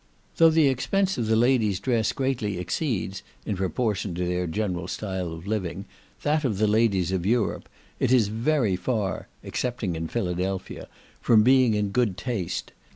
Though the expense of the ladies' dress greatly exceeds, in proportion to their general style of living, that of the ladies of Europe, it is very far (excepting in Philadelphia) from being in good taste.